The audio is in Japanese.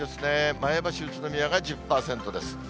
前橋、宇都宮が１０％です。